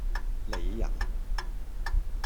你呀?